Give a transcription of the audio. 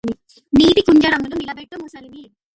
నీట కుంజరమును నిలబెట్టు మొసలిని